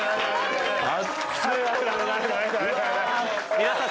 皆さん